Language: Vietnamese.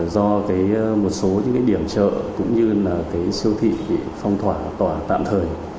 do cái một số những cái điểm chợ cũng như là cái siêu thị bị phong thỏa tạm thời